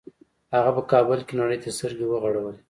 هغه په کابل کې نړۍ ته سترګې وغړولې